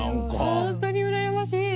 ホントにうらやましい！